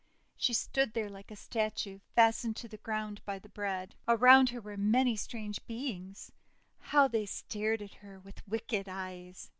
She stood there like a statue, fastened to the ground by the bread. Around her were many strange beings. How they stared at her, with wicked eyes!